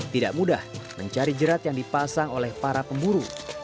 tidak mudah mencari jerat yang dipasang oleh para pemburu